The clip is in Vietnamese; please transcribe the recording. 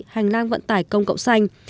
hành lang vận tải công cộng xanh